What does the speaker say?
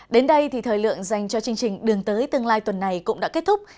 đến đây thì thời lượng dành cho chương trình đường tới tương lai tuần này cũng đã kết thúc